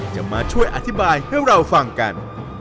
จะมาช่วยอธิบายให้เราฟังกัน